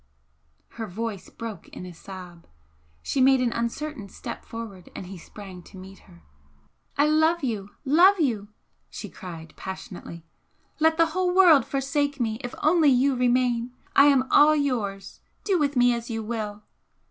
Her voice broke in a sob she made an uncertain step forward, and he sprang to meet her. "I love you, love you!" she cried, passionately "Let the whole world forsake me, if only you remain! I am all yours! do with me as you will!"